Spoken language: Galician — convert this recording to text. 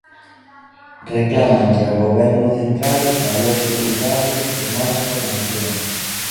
Reclámanlle ao Goberno central maior seguridade e máis formación.